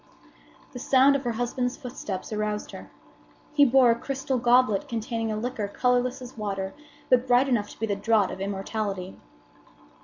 The sound of her husband's footsteps aroused her. He bore a crystal goblet containing a liquor colorless as water, but bright enough to be the draught of immortality.